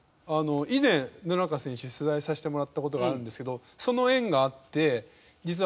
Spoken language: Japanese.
以前野中選手に取材させてもらった事があるんですけどその縁があって実は。